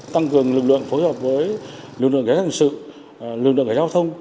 tăng cường lực lượng phối hợp với lực lượng kế hoạch hình sự lực lượng kế hoạch giao thông